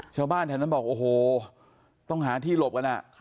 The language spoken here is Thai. ชาวบ้านแถวนั้นบอกโอ้โหต้องหาที่หลบกัน